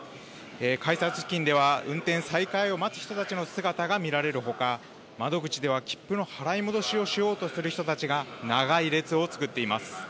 改札付近では、運転再開を待つ人たちの姿が見られるほか、窓口では切符の払い戻しをしようとする人たちが長い列を作っています。